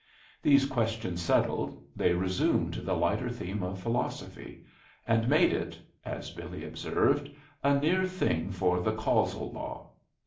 These questions settled, they resumed the lighter theme of philosophy, and made it (as Billy observed) a near thing for the Causal law.